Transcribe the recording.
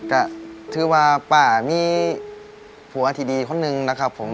ก็ถือว่าป้ามีผัวที่ดีคนหนึ่งนะครับผม